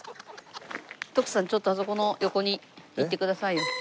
徳さんちょっとあそこの横に行ってくださいよ。